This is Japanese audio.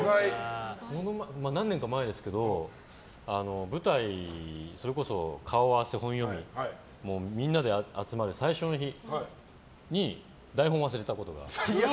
何年か前ですけど舞台、それこそ顔合わせ、本読みみんなで集まる最初の日に台本を忘れたことがある。